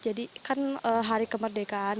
jadi kan hari kemerdekaan